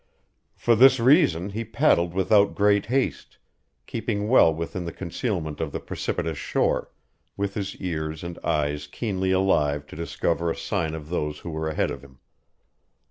For this reason he paddled without great haste, keeping well within the concealment of the precipitous shore, with his ears and eyes keenly alive to discover a sign of those who were ahead of him.